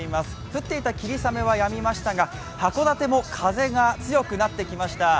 降っていた霧雨はやみましたが箱館も風が強くなってきました。